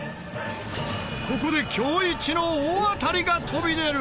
ここで今日イチの大当たりが飛び出る！